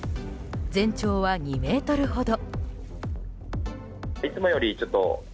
全長は、２ｍほど。